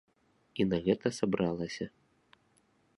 І на гэта сабралася.